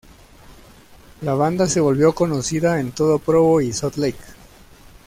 La banda se volvió conocida en todo Provo y Salt Lake.